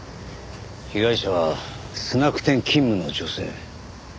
被害者はスナック店勤務の女性。